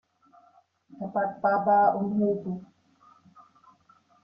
Er bat Barba um Hilfe.